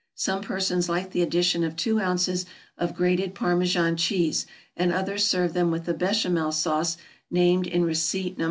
Some persons like the addition of two ounces of grated Parmesan cheese; and others serve them with the Béchamel sauce named in receipt No.